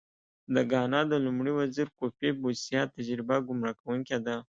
د ګانا د لومړي وزیر کوفي بوسیا تجربه ګمراه کوونکې ده.